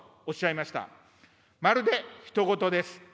まるでひと事です。